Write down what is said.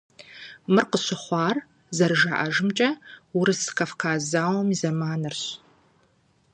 Мыр къыщыхъуар, зэрыжаӀэжымкӀэ, Урыс-Кавказ зауэм и зэманырщ.